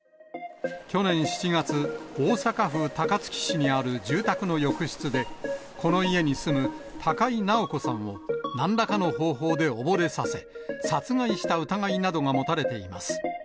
去年７月、大阪府高槻市にある住宅の浴室で、この家に住む高井直子さんをなんらかの方法で溺れさせ、殺害した疑いなどが持たれています。